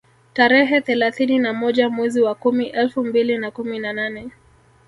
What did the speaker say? Tarehe thelathini na moja mwezi wa kumi elfu mbili na kumi na nane